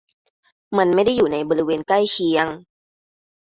มันไม่ได้อยู่ในบริเวณใกล้เคียง